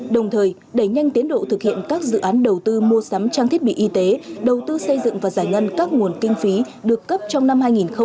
đồng thời đẩy nhanh tiến độ thực hiện các dự án đầu tư mua sắm trang thiết bị y tế đầu tư xây dựng và giải ngân các nguồn kinh phí được cấp trong năm hai nghìn một mươi chín